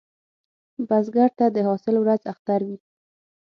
بزګر ته د حاصل ورځ اختر وي